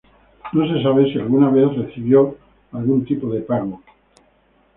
No se sabe si alguna vez recibió algún tipo de pago.